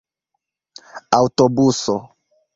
aŭtobuso